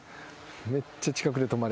めっちゃ近くで止まれ。